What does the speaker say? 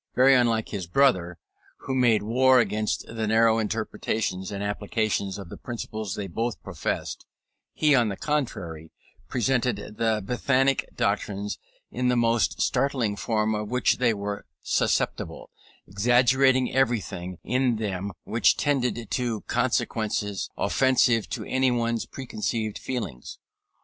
Very unlike his brother, who made war against the narrower interpretations and applications of the principles they both professed, he, on the contrary, presented the Benthamic doctrines in the most startling form of which they were susceptible, exaggerating everything in them which tended to consequences offensive to anyone's preconceived feelings.